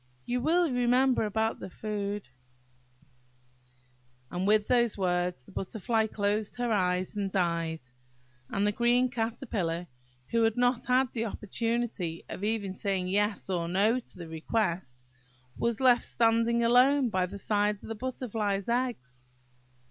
you will remember about the food–" And with these words the Butterfly closed her eyes and died; and the green Caterpillar who had not had the opportunity of even saying Yes or No to the request, was left standing alone by the side of the Butterfly's eggs.